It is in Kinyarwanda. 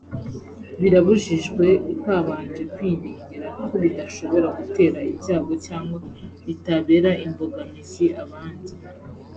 birabujijwe utabanje kwiringira ko bidashobora gutera ibyago cyangwa bitabera imbogamizi abandi